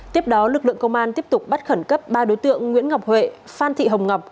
tiếp đó lực lượng công an tiếp tục bắt khẩn cấp ba đối tượng nguyễn ngọc huệ phan thị hồng ngọc